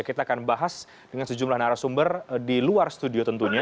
kita akan bahas dengan sejumlah narasumber di luar studio tentunya